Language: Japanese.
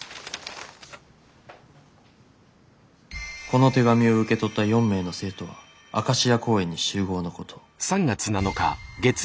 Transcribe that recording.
「この手紙を受け取った４名の生徒はアカシア公園に集合のこと」。